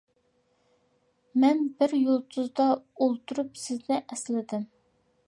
مەن بىر يۇلتۇزدا ئولتۇرۇپ سىزنى ئەسلىدىم.